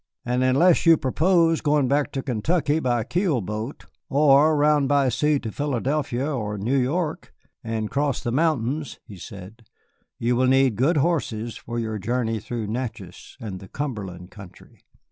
"And unless you purpose going back to Kentucky by keel boat, or round by sea to Philadelphia or New York, and cross the mountains," he said, "you will need good horses for your journey through Natchez and the Cumberland country.